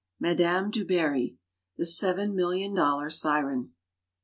MADAME DU BARRY THE SEVEN MILLION DOLLAR SIREN.